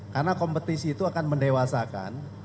karena kompetisi itu akan mendewasakan